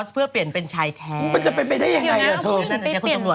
เพื่อเปลี่ยนเป็นชายแท้